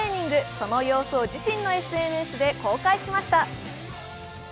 その様子を自身のＳＮＳで公開しました。